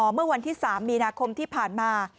เมื่อวันที่๓มีนาคมที่ผ่านมา